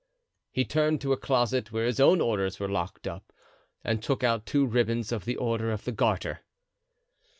He turned to a closet where his own orders were locked up, and took out two ribbons of the Order of the Garter.